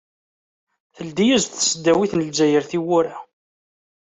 Teldi-as-d tesdawit n Lezzayer tiwwura.